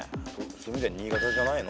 新潟じゃないの？